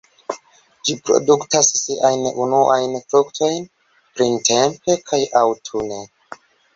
Ĝi produktas siajn unuajn fruktojn printempe kaj aŭtune.